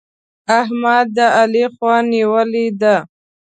احمد د علي خوا نيولې ده.